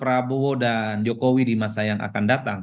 prabowo dan jokowi di masa yang akan datang